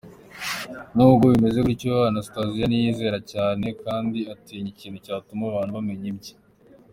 N’ubwo bimeze bityo, Anastasia ntiyiyizera cyane kandi atinya ikintu cyatuma abantu bamenya ibye.